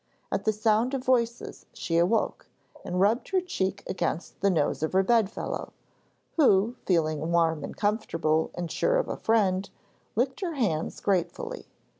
At the sound of voices she awoke, and rubbed her cheek against the nose of her bedfellow, who, feeling warm and comfortable and sure of a friend, licked her hands gratefully.